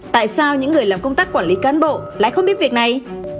tại sao những người làm công tác quản lý cán bộ lại không biết việc này